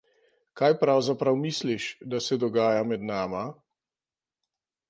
Kaj pravzaprav misliš, da se dogaja med nama?